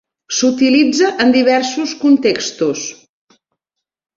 S'utilitza en diversos contextos.